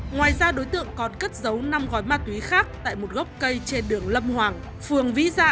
ngoài ra đối tượng còn cất giấu năm gói ma túy khác tại một gốc cây trên đường lâm hoàng phường vĩ gia